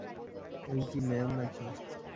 এই কি মেয়র নাকি?